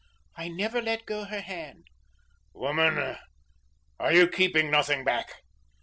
"I never let go her hand." "Woman, you are keeping nothing back?"